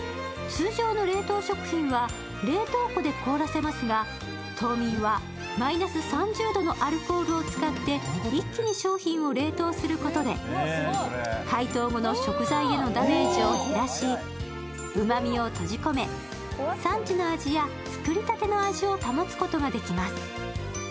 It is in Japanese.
通常の冷凍食品は冷凍庫で凍らせますが、凍眠はマイナス３０度のアルコールを使って一気に商品を冷凍することで解凍後の食材へのダメ−ジを減らし、うまみを閉じ込め、産地の味やつくりたての味を保つことができます。